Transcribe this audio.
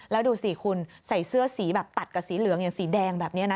แล้วดูสิคุณใส่เสื้อสีแบบตัดกับสีเหลืองอย่างสีแดงแบบนี้นะ